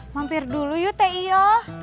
mampir dulu yuk teh iyo